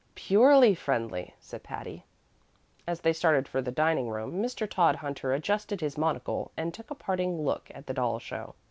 "Purely friendly," said Patty. As they started for the dining room Mr. Todhunter adjusted his monocle and took a parting look at the doll show.